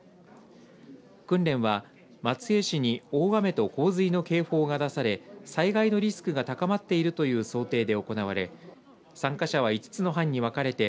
訓練は、松江市に大雨と洪水の警報が出され災害のリスクが高まっているという想定で行われ参加者は、５つの班に分かれて